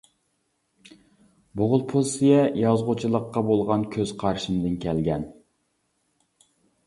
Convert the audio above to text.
بۇ خىل پوزىتسىيە يازغۇچىلىققا بولغان كۆز قارىشىمدىن كەلگەن.